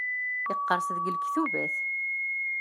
Yeqres deg lektubat.